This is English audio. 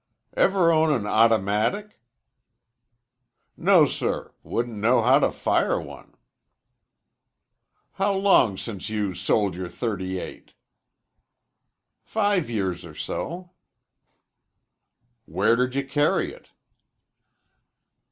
"Ever own an automatic?" "No, sir. Wouldn't know how to fire one." "How long since you sold your .38?" "Five years or so." "Where did you carry it?"